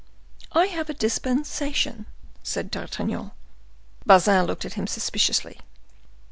"I have a dispensation," said D'Artagnan. Bazin looked at him suspiciously.